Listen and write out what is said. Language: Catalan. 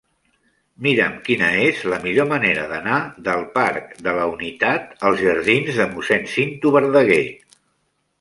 Mira'm quina és la millor manera d'anar del parc de la Unitat als jardins de Mossèn Cinto Verdaguer.